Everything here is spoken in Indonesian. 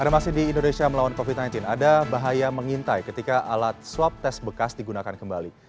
ada masih di indonesia melawan covid sembilan belas ada bahaya mengintai ketika alat swab tes bekas digunakan kembali